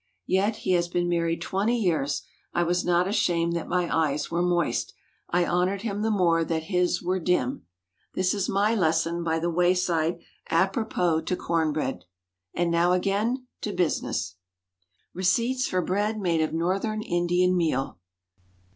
Yet he has been married twenty years. I was not ashamed that my eyes were moist. I honored him the more that his were dim. This is my lesson by the wayside apropos to corn bread. And now again to business. _Receipts for Bread made of Northern Indian Meal.